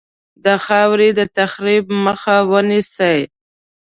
د خاورې د تخریب مخه ونیسي.